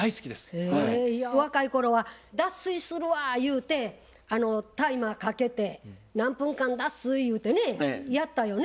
へえ若い頃は「脱水するわ」言うてタイマーかけて何分間脱水ゆうてねやったよね。